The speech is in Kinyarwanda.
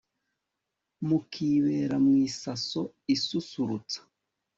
mukibera mu isaso isusurutsa